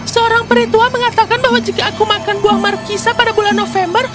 seorang peritua mengatakan bahwa jika aku makan buah markisa pada bulan november